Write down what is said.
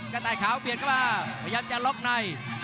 กระต่ายขาวเบียดเข้ามาพยายามจะล็อกใน